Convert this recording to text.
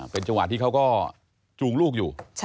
เป็นจังหวะที่เขาก็จูงลูกอยู่